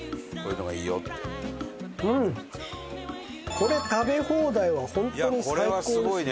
これ食べ放題はホントに最高ですね。